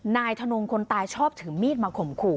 นายทนงคนตายชอบถือมีดมาข่มขู่